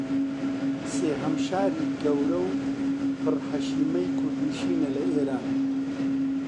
سێھەم شاری گەورە و پر حەشیمەی کوردنشینە لە ئیران